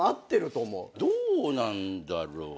どうなんだろう。